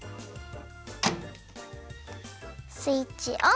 スイッチオン！